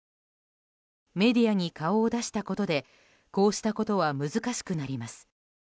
メディアに顔を出したことでこうしたことは難しくなります。